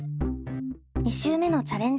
２週目のチャレンジ